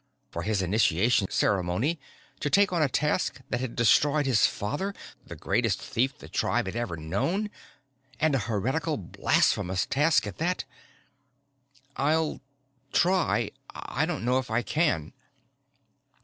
For his initiation ceremony to take on a task that had destroyed his father, the greatest thief the tribe had ever known, and a heretical, blasphemous task at that.... "I'll try. I don't know if I can."